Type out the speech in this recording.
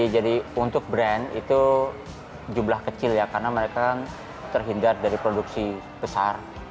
jadi untuk brand itu jumlah kecil ya karena mereka terhindar dari produksi besar